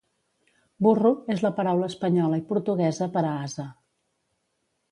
"Burro" és la paraula espanyola i portuguesa per a ase.